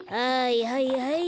はいはいはい。